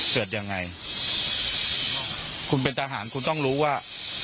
เกิดยังไงคุณเป็นทหารคุณต้องรู้ว่า